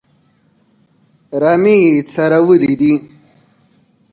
رمې یې څرولې دي.